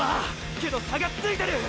けど差がついてる！！